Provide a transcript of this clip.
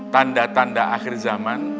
tanda tanda akhir zaman